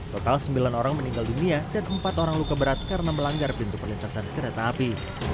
total sembilan orang meninggal dunia dan empat orang luka berat karena melanggar pintu perlintasan kereta api